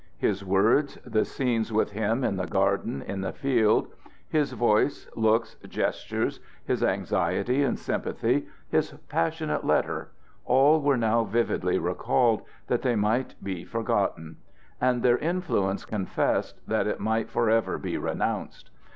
His words, the scenes with him in the garden, in the field his voice, looks, gestures his anxiety and sympathy his passionate letter all were now vividly recalled, that they might be forgotten; and their influence confessed, that it might forever be renounced.